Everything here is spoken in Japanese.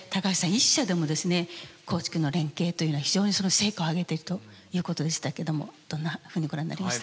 耕畜の連携というのは非常に成果を上げているということでしたけどもどんなふうにご覧になりました？